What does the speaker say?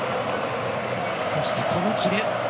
そして、このキレ。